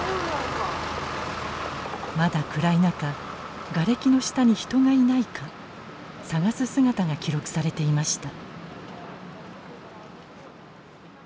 まだ暗い中がれきの下に人がいないか捜す姿が記録されていました。